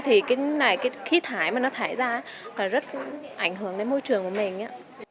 thì cái này cái khí thải mà nó thải ra rất ảnh hưởng đến môi trường của mình